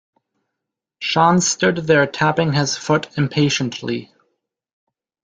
Sean stood there tapping his foot impatiently.